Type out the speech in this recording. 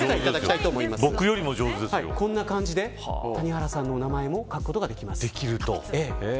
このように谷原さんの名前を書くことができます。